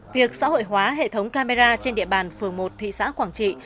việc xã hội hóa hệ thống camera trên địa bàn phường một thị xã quảng trị